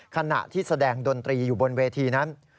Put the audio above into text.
ขณะที่แสดงดนตรีอยู่บนเวทีนั้น